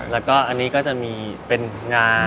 แล้วก็อันนี้ก็จะมีเป็นงา